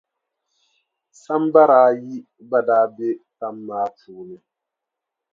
Sambara ayi gba daa be tam maa puuni.